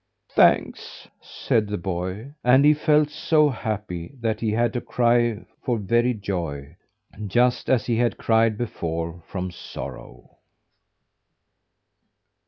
"Thanks!" said the boy, and he felt so happy that he had to cry for very joy just as he had cried before from sorrow.